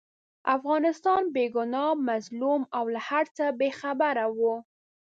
افغانستان بې ګناه، مظلوم او له هرڅه بې خبره وو.